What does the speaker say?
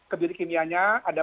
kebiri kimianya ada